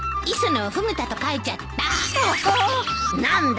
何だ。